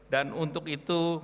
dan untuk itu